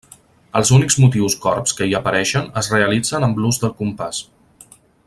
Els únics motius corbs que hi apareixen es realitzen amb l'ús del compàs.